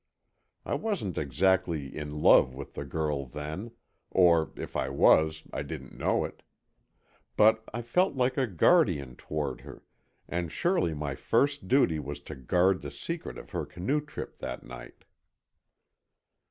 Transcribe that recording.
I wasn't exactly in love with the girl then, or if I was I didn't know it. But I felt like a guardian toward her, and surely my first duty was to guard the secret of her canoe trip that night.